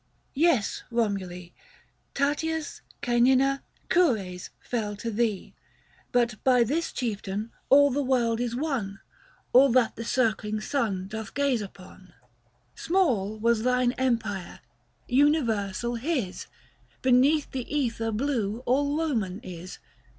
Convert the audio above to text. Yes Romule Tatius, Camina, Cures fell to thee ; But by this chieftain all the world is won, All that the circling sun doth gaze upon ; 135 Book II. THE FASTL 37 Small was thine empire — universal his — Beneath the ether blue all Koman is.